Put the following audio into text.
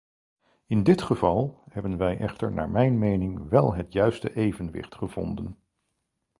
In dit geval hebben wij echter naar mijn mening wel het juiste evenwicht gevonden.